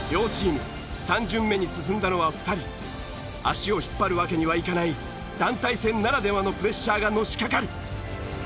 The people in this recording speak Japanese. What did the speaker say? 両チーム足を引っ張るわけにはいかない団体戦ならではのプレッシャーがのしかかる。